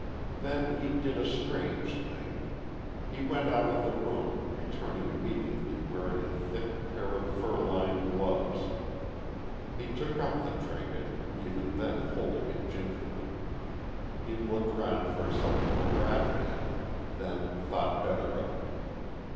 Then he did a strange thing. He went out of the room, returning immediately wearing a thick pair of fur lined gloves. He took up the trinket, even then holding it gingerly. He looked round for something to wrap it in, then thought better of it.